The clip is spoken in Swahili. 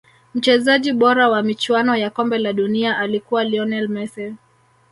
mchezaji bora wa michuano ya kombe la dunia alikuwa lionel messi